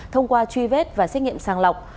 thông qua truy vết và xét nghiệm sàng lọc